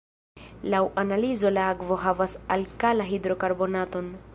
Laŭ analizo la akvo havas alkala-hidrokarbonaton.